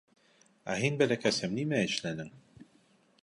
— Ә һин, бәләкәсем, нимә эшләнең?